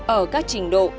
ở các trình độ